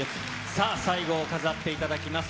さあ、最後を飾っていただきます